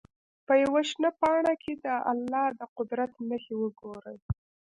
په یوه شنه پاڼه کې دې د الله د قدرت نښې وګوري.